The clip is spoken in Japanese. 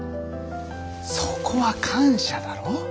そこは感謝だろ？